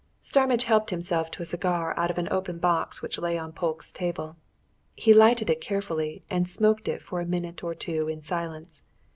Starmidge helped himself to a cigar out of an open box which lay on Polke's table. He lighted it carefully, and smoked for a minute or two in silence.